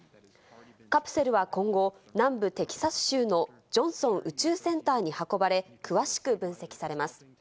カプセルは今後、南部テキサス州のジョンソン宇宙センターに運ばれ、詳しく分析されます。